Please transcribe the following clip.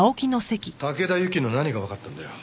竹田ユキの何がわかったんだよ。